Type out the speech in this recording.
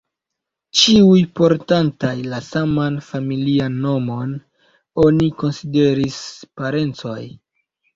Ĉiuj, portantaj la saman familian nomon, oni konsideris parencoj.